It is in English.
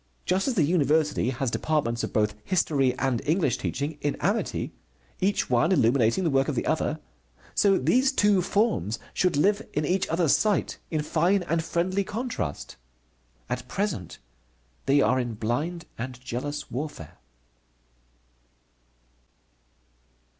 Just as the university has departments of both History and English teaching in amity, each one illuminating the work of the other, so these two forms should live in each other's sight in fine and friendly contrast. At present they are in blind and jealous warfare.